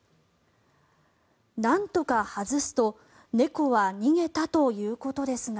なんとか外すと猫は逃げたということですが。